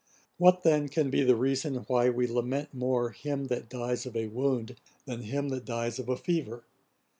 What then can be the reason why we lament more him that dies of a wound, than him that dies of a fever?